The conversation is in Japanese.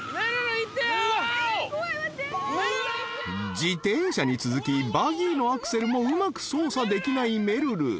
［自転車に続きバギーのアクセルもうまく操作できないめるる］